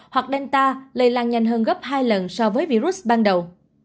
hoặc delta lây lan nhanh hơn gấp hai lần so với virus ban đầu